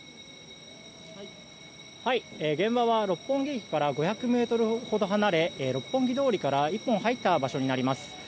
現場は六本木駅から５００ｍほど離れ六本木通りから１本入った場所になります。